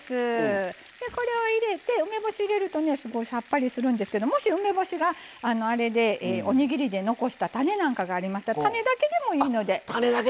梅干し入れるとすごいさっぱりするんですけどもし、梅干しが、あれでおにぎりで残した種なんかあれば種だけでもいいので。